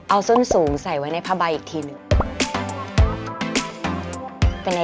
เป็นไอเดียที่ดี